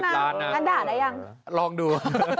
การด่าได้ยังลองดู